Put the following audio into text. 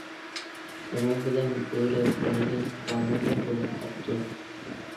شۇنىڭ بىلەن بۆرە بالىدىن ھامىلىدار بولۇپ قاپتۇ.